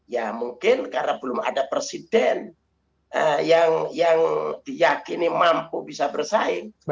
ya mungkin karena belum ada presiden yang diyakini mampu bisa bersaing